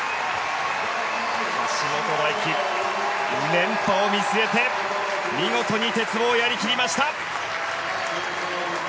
橋本大輝、連覇を見据えて見事に鉄棒をやり切りました。